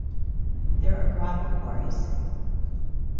There are gravel quarries.